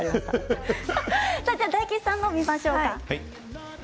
大吉さんも見ましょうか。